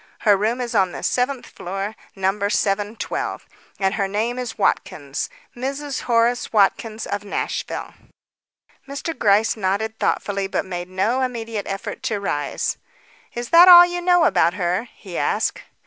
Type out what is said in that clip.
Her room is on the seventh floor, number 712, and her name is Watkins. Mrs. Horace Watkins of Nashville." Mr. Gryce nodded thoughtfully, but made no immediate effort to rise. "Is that all you know about her?" he asked.